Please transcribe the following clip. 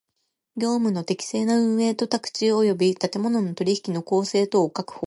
業務の適正な運営と宅地及び建物の取引の公正とを確保